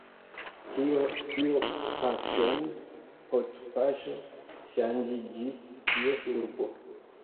Ĉio tio paŝon post paŝo ŝanĝiĝis je urbo.